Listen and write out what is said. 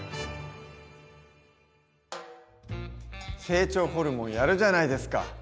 成長ホルモンやるじゃないですか！